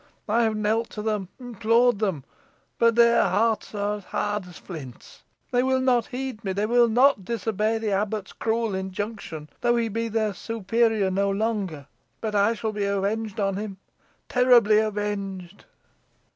I have knelt to them, implored them, but their hearts are hard as flints. They will not heed me. They will not disobey the abbot's cruel injunctions, though he be their superior no longer. But I shall be avenged upon him terribly avenged."